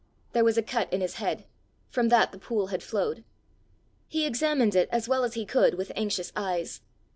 There was a cut in his head: from that the pool had flowed. He examined it as well as he could with anxious eyes.